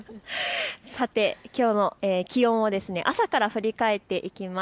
さてきょうの気温を朝から振り返っていきます。